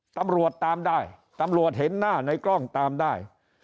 ตำรวจตามได้ตำรวจเห็นหน้าในกล้องตามได้